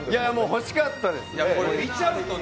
欲しかったですし。